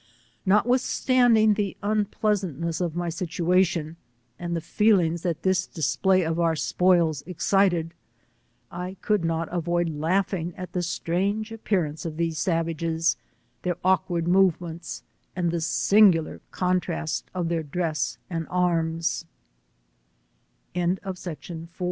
Notwithstanding the unpleasant ness of my situation, and the feelings that this display ol our spoils excited, I could not avoid laughing at the strange appearance of these la 44 rages, their awkward movements, and the sin gular cootrast of t